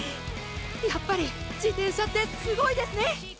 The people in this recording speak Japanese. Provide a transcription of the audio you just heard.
やっぱり自転車ってすごいですね。